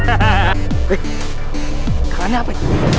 eh kalahnya apa